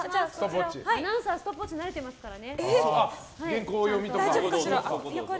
アナウンサーストップウォッチ慣れてますから。